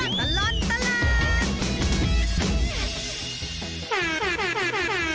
ช่วงตลอดตลาด